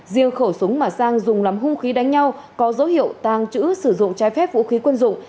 riêng khẩu súng mà sang dùng làm hung khí đánh nhau có dấu hiệu tàng trữ sử dụng trái phép vũ khí quân dụng